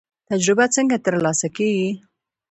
تجربه څنګه ترلاسه کیږي؟